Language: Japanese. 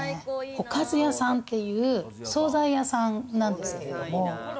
おかず屋さんっていう惣菜屋さんなんですけれども。